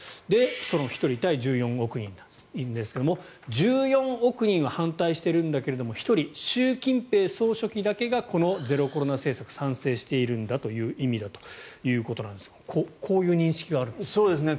その１人対１４億人ですが１４億人は反対しているんだけど１人、習近平総書記だけがこのゼロコロナ政策賛成しているんだという意味だということなんですがこういう認識があるんですか。